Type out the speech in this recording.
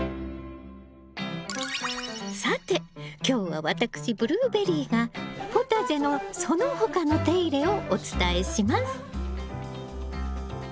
さて今日は私ブルーベリーがポタジェのその他の手入れをお伝えします。